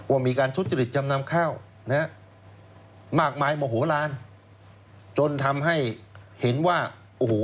ว่ามีการทุจริตจำนำข้าวนะฮะมากมายโมโหลานจนทำให้เห็นว่าโอ้โห